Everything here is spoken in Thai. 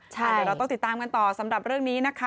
เดี๋ยวเราต้องติดตามกันต่อสำหรับเรื่องนี้นะคะ